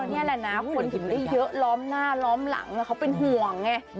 นี่แหละนะคนเห็นได้เยอะล้อมหน้าล้อมหลังเขาเป็นห่วงไง